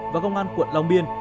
và công an quận long biên